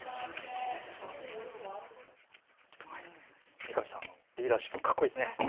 三上さんのリーダーシップ、かっこいいですね。